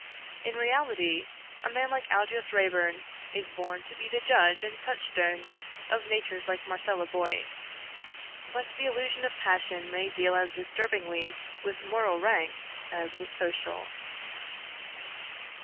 In reality, a man like Aldous Raeburn is born to be the judge and touchstone of natures like Marcella Boyce. But the illusion of passion may deal as disturbingly with moral rank as with social.